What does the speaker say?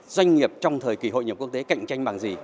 doanh nghiệp trong thời kỳ hội nhập quốc tế cạnh tranh bằng gì